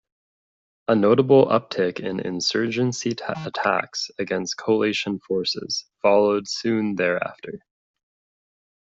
A notable uptick in "insurgency" attacks against coalition forces followed soon thereafter.